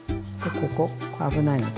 ここ危ないので。